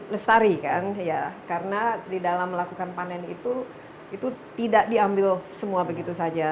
lestari kan ya karena di dalam melakukan panen itu itu tidak diambil semua begitu saja